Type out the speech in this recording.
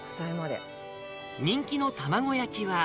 人気の卵焼きは。